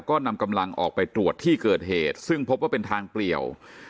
ก็นำกำลังออกไปตรวจที่เกิดเหตุซึ่งพบว่าเป็นทางเปลี่ยว